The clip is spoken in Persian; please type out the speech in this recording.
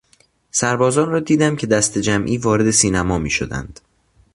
سربازان را دیدم که دسته جمعی وارد سینما میشدند.